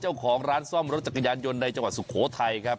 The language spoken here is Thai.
เจ้าของร้านซ่อมรถจักรยานยนต์ในจังหวัดสุโขทัยครับ